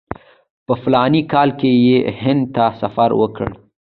په فلاني کال کې یې هند ته سفر وکړ.